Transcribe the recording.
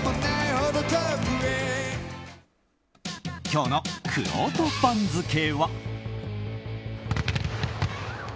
今日のくろうと番付は。